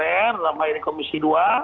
terutama ini komisi dua